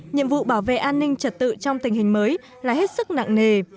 nhiệm vụ bảo vệ an ninh trật tự trong tình hình mới là hết sức nặng nề